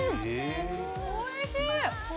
おいしい。